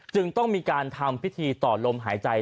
จึงต้องมีการทำพิธีต่อลมหายใจ